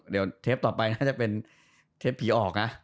เดี๋ยวเทปต่อไปน่าจะเป็นเทปผีออกนะ